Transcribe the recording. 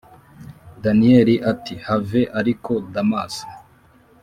daniel ati: have ariko damas,